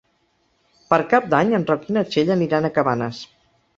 Per Cap d'Any en Roc i na Txell aniran a Cabanes.